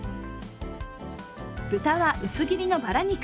豚は薄切りのバラ肉。